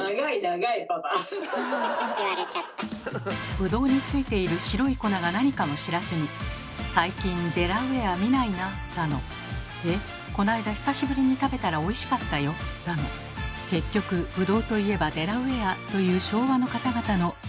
ブドウに付いている白い粉が何かも知らずに「最近デラウェア見ないな」だの「えこの間久しぶりに食べたらおいしかったよ」だの結局ブドウといえばデラウェアという昭和の方々のなんと多いことか。